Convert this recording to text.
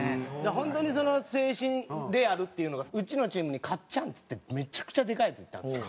本当にその精神でやるっていうのがうちのチームにカッちゃんっつってめちゃくちゃでかいヤツいたんですよ。